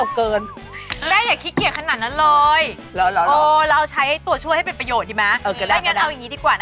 เออที่ต่างหรือหน้าก็อยากหน้าเหมือนฉัน